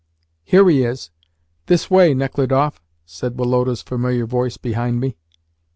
"Here he is. This way, Nechludoff," said Woloda's familiar voice behind me.